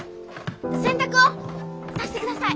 洗濯をさしてください。